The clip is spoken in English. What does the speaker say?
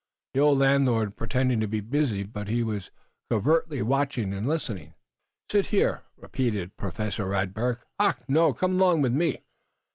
The old landlord pretended to be busy, but he was covertly watching and listening. "Sit here?" repeated Professor Radberg. "Ach, no! Come along with me."